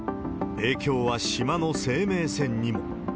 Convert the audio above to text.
影響は島の生命線にも。